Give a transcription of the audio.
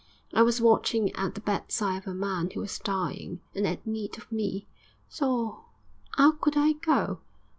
I was watching at the bedside of a man who was dying and 'ad need of me; so 'ow could I go?